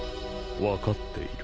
分かっている。